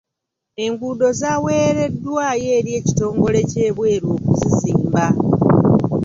Enguudo zaweereddwayo eri ekitongole ky'ebweru okuzizimba.